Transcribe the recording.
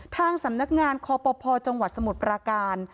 ทางสำนักงานคอปภจังหวัดสมุทรปราการ